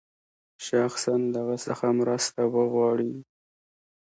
شخصاً له هغه څخه مرسته وغواړي.